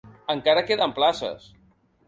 Encara queden places.